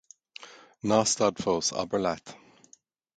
Ná stad fós, abair leat.